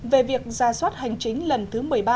về việc ra soát hành chính lần thứ một mươi ba